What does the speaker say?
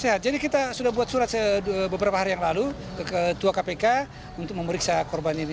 sehat jadi kita sudah buat surat beberapa hari yang lalu ke ketua kpk untuk memeriksa korban ini